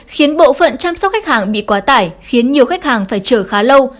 khiến bộ phận chăm sóc khách hàng bị quá tải khiến nhiều khách hàng phải chờ khá lâu